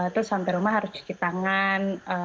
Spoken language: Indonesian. terus sampai rumah harus cuci tangan